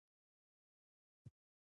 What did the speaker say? • دروغ د ژوند هره برخه زیانمنوي.